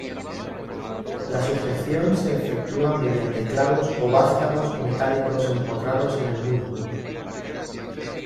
La sujeción se efectúa mediante clavos o vástagos metálicos empotrados en el muro.